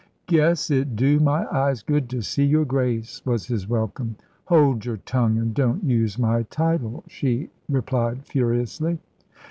"Guess it do my eyes good to see your Grace," was his welcome. "Hold your tongue, and don't use my title," she replied furiously.